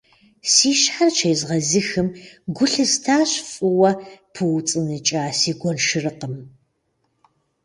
Си щхьэр щезгъэзыхым гу лъыстащ фӀыуэ пыуцӀыныкӀа си гуэншэрыкъым.